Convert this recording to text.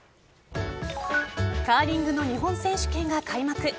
カーリングの日本選手権が開幕。